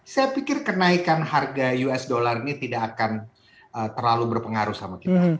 saya pikir kenaikan harga usd ini tidak akan terlalu berpengaruh sama kita